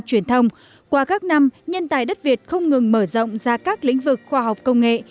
truyền thông qua các năm nhân tài đất việt không ngừng mở rộng ra các lĩnh vực khoa học công nghệ